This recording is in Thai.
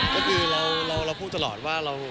ก็คือเราพูดตลอดว่า